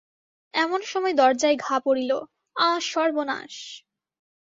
এমন সময় দরজায় ঘা পড়িল, আ সর্বনাশ!